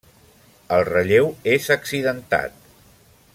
El relleu és accidentat.